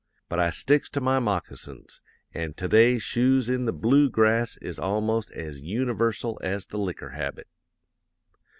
But I sticks to my moccasins; an' to day shoes in the Bloo Grass is almost as yooniversal as the licker habit.